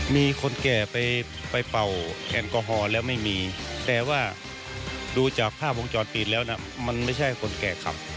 มีคนแก่ไปเป่าแอลกอฮอล์แล้วไม่มีแต่ว่าดูจากภาพวงจรปิดแล้วนะมันไม่ใช่คนแก่ขับ